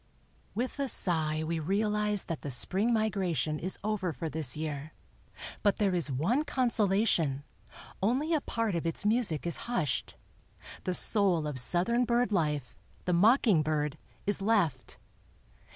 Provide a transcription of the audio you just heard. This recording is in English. With a sigh we realize that the spring migration is over for this year; but there is one consolation, only a part of its music is hushed—the soul of Southern bird life, the mocking bird, is left.